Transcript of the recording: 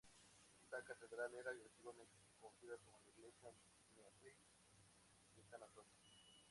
Esta Catedral era antiguamente conocida como la Iglesia Matriz de San Antonio.